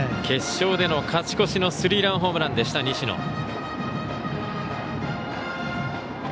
決勝での勝ち越しのスリーランホームランでした西野。